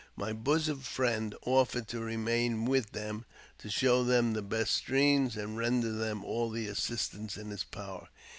My bosom friend offered to remain with them, to show them the best streams, and render them all the assistance in his power.